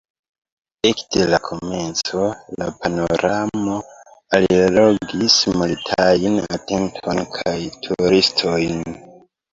Ekde la komenco, la panoramo allogis multajn atenton kaj turistojn.